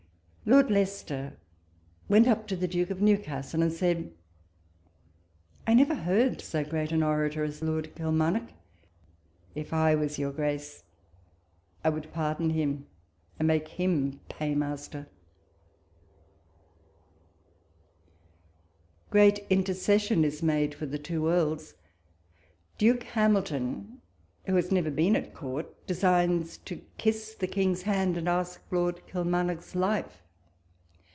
Lord Leicester went up to the Duke of New castle, and said, '" I never heard so great an orator as Lord Kilmarnock 1 if I was your grace I would pardon him, and make him paymaster. Great intercession is made for the two Earls : Duke Hamilton, who has never been at Court, designs to kiss the King's hand, and ask Lord Kilmarnock's life.